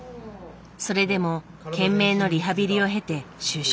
それでも懸命のリハビリを経て就職。